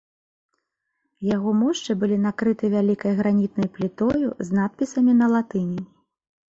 Яго мошчы былі накрыты вялікай гранітнай плітою з надпісамі на латыні.